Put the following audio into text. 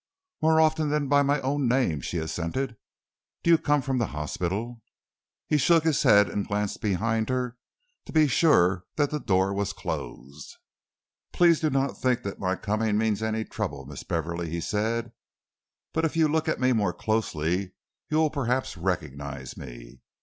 "More often than by my own name," she assented. "Do you come from the hospital?" He shook his head and glanced behind her to be sure that the door was closed. "Please do not think that my coming means any trouble, Miss Beverley," he said, "but if you look at me more closely you will perhaps recognise me.